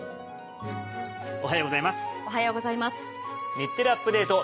『日テレアップＤａｔｅ！』